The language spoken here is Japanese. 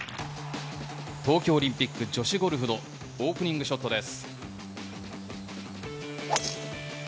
東京オリンピック女子ゴルフのオープニングショットです。